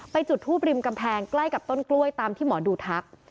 จุดทูบริมกำแพงใกล้กับต้นกล้วยตามที่หมอดูทัก